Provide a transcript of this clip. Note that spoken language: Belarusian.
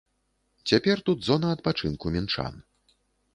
Цяпер тут зона адпачынку мінчан.